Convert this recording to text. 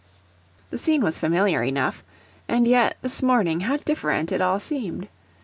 The scene was familiar enough; and yet, this morning, how different it all seemed!